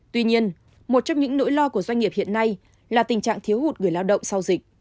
tuy nhiên một trong những nỗi lo của doanh nghiệp hiện nay là tình trạng thiếu hụt người lao động sau dịch